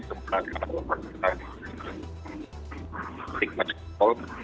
kemarin kita di pick pick